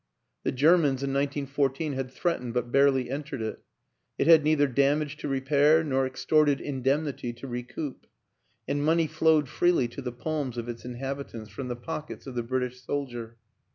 The Germans, in 1914, had threatened but barely entered it; it had neither damage to repair nor extorted indemnity to re coup, and money flowed freely to the palms of its inhabitants from the pockets of the British soldier.